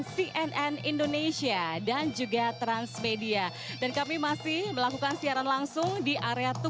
supaya nyambung gitu